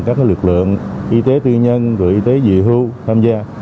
các lực lượng y tế tư nhân và y tế dị hưu tham gia